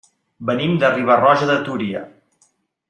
Venim de Riba-roja de Túria.